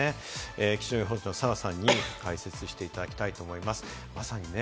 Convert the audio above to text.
気象予報士の澤さんに解説していただきたいと思います。